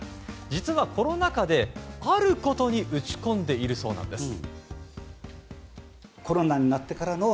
実はコロナ禍で、あることに打ち込んでいるそうなんです。